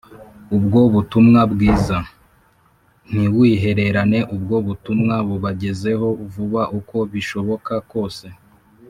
ubwo butumwa bwiza Ntiwihererane ubwo butumwa Bubagezeho vuba uko bishoboka kose